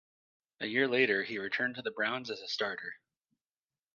A year later, he returned to the Browns as a starter.